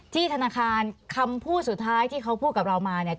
ธนาคารคำพูดสุดท้ายที่เขาพูดกับเรามาเนี่ย